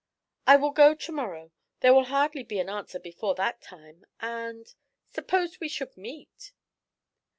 'I will go to morrow; there will hardly be an answer before that time; and suppose we should meet?'